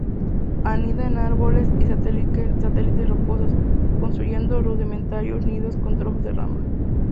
Anida en árboles y salientes rocosos, construyendo rudimentarios nidos con trozos de ramas.